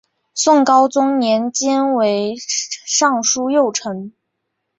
宋高宗年间为尚书右丞。